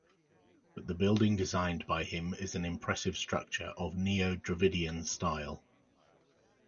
But the building designed by him is an impressive structure of Neo Dravidian style.